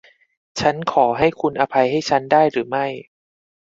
ฉันขอให้คุณให้อภัยฉันได้หรือไม่